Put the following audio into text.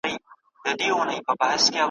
په ماښام وو په هګیو نازولی `